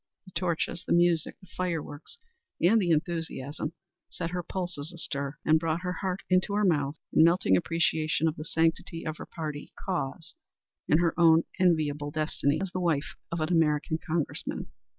The torches, the music, the fireworks and the enthusiasm set her pulses astir and brought her heart into her mouth in melting appreciation of the sanctity of her party cause and her own enviable destiny as the wife of an American Congressman.